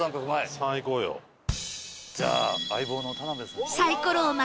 じゃあ相棒の田辺さんに。